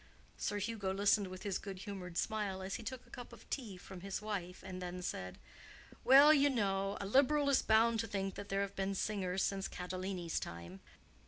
Sir Hugo listened with his good humored smile as he took a cup of tea from his wife, and then said, "Well, you know, a Liberal is bound to think that there have been singers since Catalani's time."